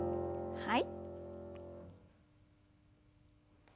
はい。